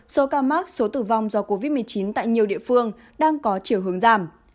số ca mắc số tử vong do covid một mươi chín tại nhiều địa phương đang có chiều hướng giảm